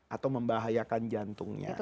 atau membahayakan jantungnya